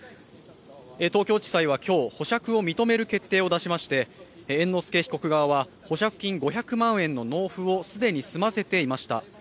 東京地裁は今日、保釈を認める決定を出しまして、猿之助被告側は保釈金５００万円の納付を既に済ませていました。